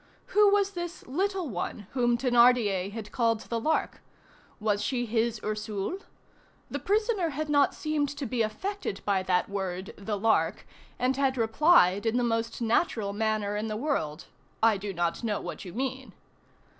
Who was this "little one" whom Thénardier had called the Lark? Was she his "Ursule"? The prisoner had not seemed to be affected by that word, "the Lark," and had replied in the most natural manner in the world: "I do not know what you mean."